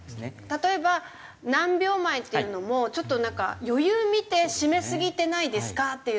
例えば何秒前っていうのもちょっとなんか余裕見て閉めすぎてないですかっていう。